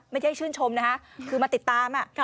ไม่ใช่ชื่นชมนะคะคือมาติดตาม